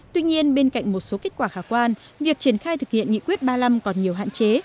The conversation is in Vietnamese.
tuy nhiên bên cạnh một số kết quả khả quan việc triển khai thực hiện nghị quyết ba mươi năm còn nhiều hạn chế